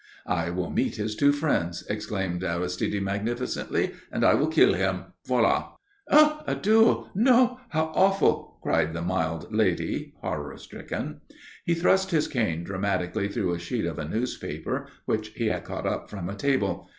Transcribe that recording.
"I will meet his two friends," exclaimed Aristide magnificently "and I will kill him. Voilà!" "Oh, a duel? No! How awful!" cried the mild lady horror stricken. He thrust his cane dramatically through a sheet of a newspaper, which he had caught up from a table.